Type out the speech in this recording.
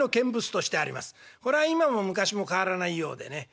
これは今も昔も変わらないようでね。